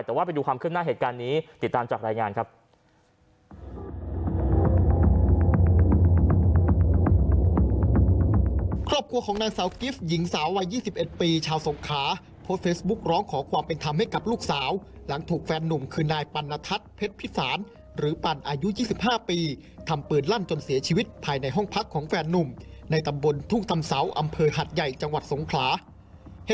แต่ว่าไปดูความขึ้นหน้าเหตุการณ์นี้ติดตามจากรายงานครับ